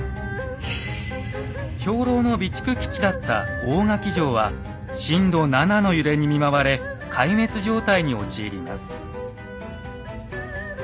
兵糧の備蓄基地だった大垣城は震度７の揺れに見舞われ壊滅状態に陥ります。